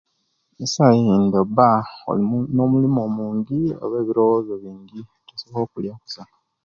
Esawa ejindi oba olina omulimu munji oba ebirobozo bingi tosobola okuliya kusa